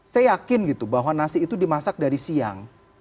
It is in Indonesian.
saya yakin gitu bahwa nasi itu dimasak dari siang